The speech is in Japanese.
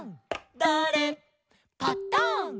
「だれ？パタン」